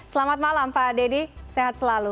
selamat malam pak dedy sehat selalu